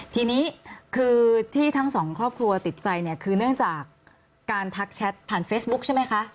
ทีนี้คือที่ทั้งสองครอบครัวติดใจเนี่ยคือเนื่องจากการทักแชทผ่านเฟซบุ๊คใช่ไหมคะ